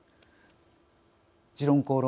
「時論公論」